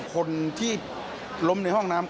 คนที่ล้มในห้องน้ำ